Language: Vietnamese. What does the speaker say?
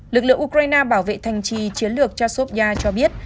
lực lượng ukraine bảo vệ thành trì chiến lược chasofya cho biết